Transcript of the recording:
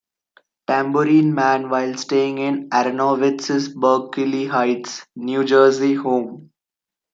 Tambourine Man while staying in Aronowitz's Berkeley Heights, New Jersey home.